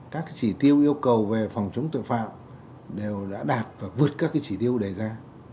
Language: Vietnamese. các chỉ tiêu yêu cầu về phòng chống tội phạm đều đã đạt và vượt các chỉ tiêu đề ra